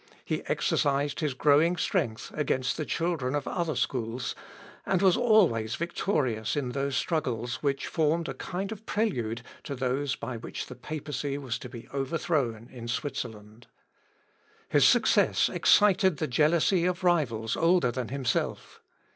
He exercised his growing strength against the children of other schools, and was always victorious in those struggles which formed a kind of prelude to those by which the papacy was to be overthrown in Switzerland. His success excited the jealousy of rivals older than himself.